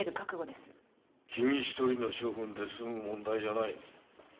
君一人の処分ですむ問題じゃない。